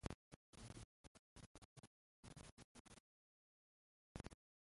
د مېلو په فضا کښي د سولي او ورورولۍ خبري کېږي.